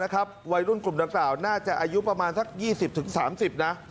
นะครับวัยรุ่นกลุ่มต่อกล่าวน่าจะอายุประมาณสักยี่สิบถึงสามสิบนะ